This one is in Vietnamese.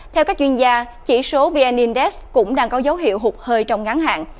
theo các chuyên gia chỉ số vn index cũng đang có dấu hiệu hụt hơi trong ngắn hạn